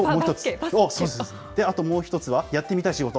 あともう一つは、やってみたい仕事。